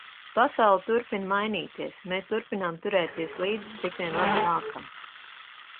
Pasaule turpina mainīties, mēs turpinām turēties līdzi, cik vien labi mākam.